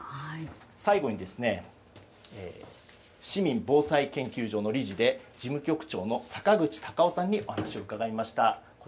最後に、市民防災研究所の理事で事務局長の坂口隆夫さんにお話を伺いました。